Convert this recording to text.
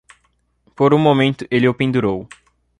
Por um momento ele o pendurou.